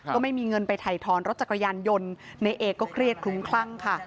ก็ไม่มีเงินไปถ่ายถอนรถจักรยานยนต์ในเอกก็เครียดคลุ้มคลั่งค่ะ